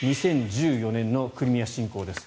２０１４年のクリミア侵攻です。